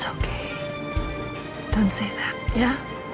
jangan bilang begitu ya